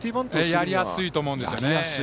やりやすいと思うんですよね。